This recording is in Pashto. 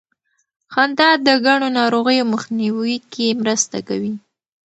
خندا د ګڼو ناروغیو مخنیوي کې مرسته کوي.